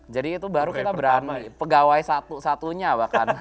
jadi itu baru kita berani pegawai satu satunya bahkan